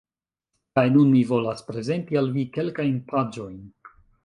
Kaj nun mi volas prezenti al vi kelkajn paĝojn